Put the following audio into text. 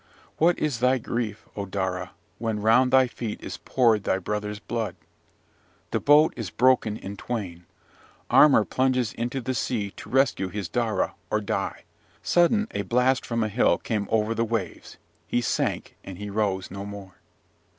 What is thy grief, O Daura, when round thy feet is poured thy brother's blood. The boat is broken in twain. Armar plunges into the sea to rescue his Daura, or die. Sudden a blast from a hill came over the waves; he sank, and he rose no more.